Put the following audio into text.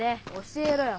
教えろよ。